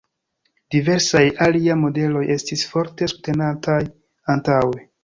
Diversaj alia modeloj estis forte subtenataj antaŭe.